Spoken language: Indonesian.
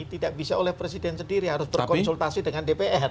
tidak bisa oleh presiden sendiri harus berkonsultasi dengan dpr